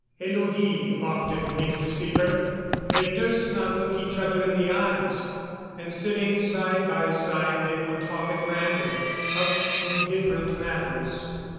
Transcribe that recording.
Élodie often came to see her; they durst not look each other in the eyes, and sitting side by side they would talk at random of indifferent matters.